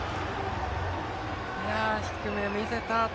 低めを見せたあと。